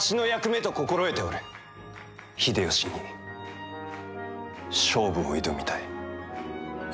秀吉に勝負を挑みたい。